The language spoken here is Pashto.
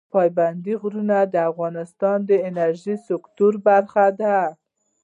پابندی غرونه د افغانستان د انرژۍ سکتور برخه ده.